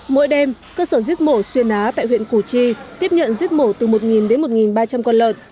mỗi đêm cơ sở giết mổ xuyên á tại huyện củ chi tiếp nhận giết mổ từ một đến một ba trăm linh con lợn